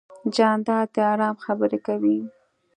جانداد د ارام خبرې کوي.